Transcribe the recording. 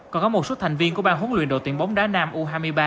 còn có một số thành viên của bang huấn luyện đội tuyển bóng đá nam u hai mươi ba